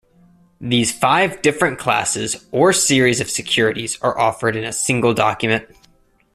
These five different classes or series of securities are offered in a single document.